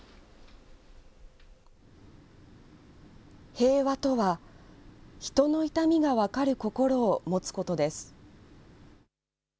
平和とは人の痛みが分かる心を持つことです。